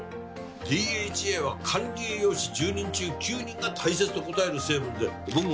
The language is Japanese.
ＤＨＡは管理栄養士１０人中９人が大切と答える成分で僕もね